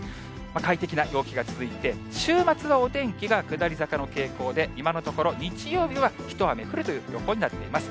快適な陽気が続いて、週末はお天気が下り坂の傾向で、今のところ、日曜日は一雨降るという予報になっています。